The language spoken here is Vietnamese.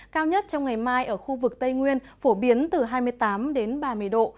cao nhất trong ngày mai ở khu vực tây nguyên phổ biến từ hai mươi tám đến ba mươi độ